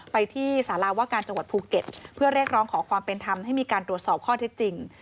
ไปที่สาราว่าการจังหวัดภูเก็ตเพื่อเรียกร้องขอความเป็นธรรมให้มีการตรวจสอบข้อเท็จจริง